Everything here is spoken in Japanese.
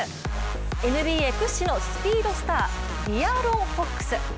ＮＢＡ屈指のスピードスターディアロン・フォックス。